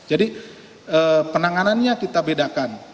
jadi penanganannya kita bedakan